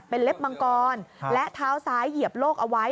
เป็นเล็บมังกรและเท้าซ้ายเหยียบโลกเอาไว้